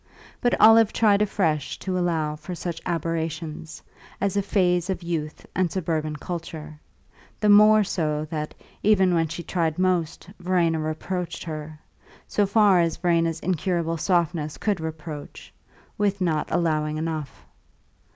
But Olive tried afresh to allow for such aberrations, as a phase of youth and suburban culture; the more so that, even when she tried most, Verena reproached her so far as Verena's incurable softness could reproach with not allowing enough.